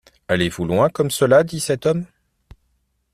Allez-vous loin comme cela ? dit cet homme.